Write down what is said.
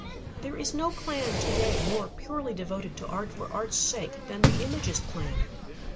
There is no clan to day more purely devoted to art for art's sake than the Imagist clan.